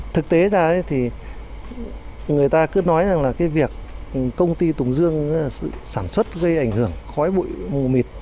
thực tế ra thì người ta cứ nói rằng là cái việc công ty tùng dương sản xuất gây ảnh hưởng khói bụi mù mịt